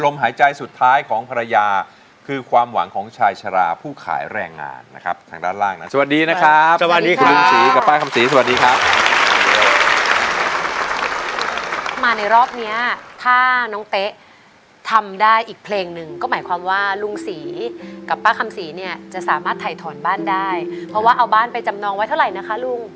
มาในรอบเนี้ยถ้าน้องเต๊ะทำได้อีกเพลงหนึ่งก็หมายความว่าลุงศรีกับป้าคำศรีเนี่ยจะสามารถถ่ายถอนบ้านได้เพราะว่าเอาบ้านไปจำนองไว้เท่าไหร่นะคะลุง